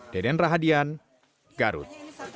deden rahadian garut